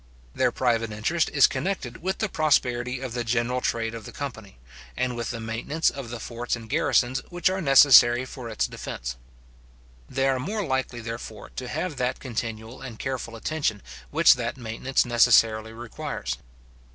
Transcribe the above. Their private interest is connected with the prosperity of the general trade of the company, and with the maintenance of the forts and garrisons which are necessary for its defence. They are more likely, therefore, to have that continual and careful attention which that maintenance necessarily requires.